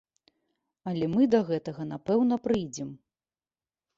Але мы да гэтага напэўна прыйдзем.